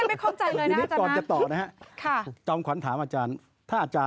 อ๋ออาจารย์ยังติดใจตรังอยู่